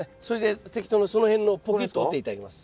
適当なその辺のポキッと折って頂きます。